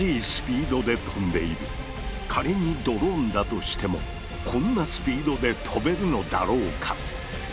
仮にドローンだとしてもこんなスピードで飛べるのだろうか。